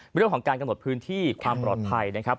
เรื่องของการกำหนดพื้นที่ความปลอดภัยนะครับ